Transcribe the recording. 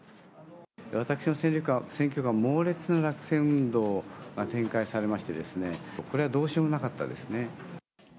私の選挙区は、猛烈な落選運動を展開されましてですね、これはどうしようもなかったですね。